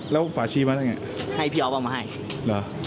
แล้วฝาชี้มาได้ไงให้พี่อ๊อฟเอามาให้เหรอ